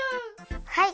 はい。